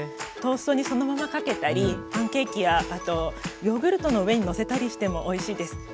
トーストにそのままかけたりパンケーキやあとヨーグルトの上にのせたりしてもおいしいです。